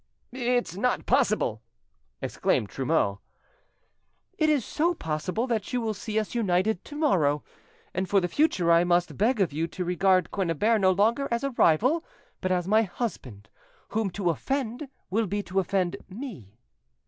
"It's not possible!" exclaimed Trumeau. "It is so possible that you will see us united tomorrow. And for the future I must beg of you to regard Quennebert no longer as a rival but as my husband, whom to offend will be to offend me."